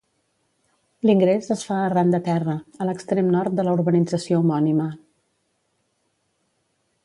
L'ingrés es fa arran de terra, a l'extrem nord de la urbanització homònima.